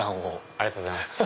ありがとうございます。